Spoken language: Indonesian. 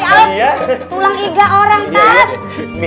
ya allah pelan pelan hati hati